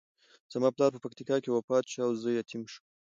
زما پلار په پکتیکا کې وفات شو او زه یتیم شوم.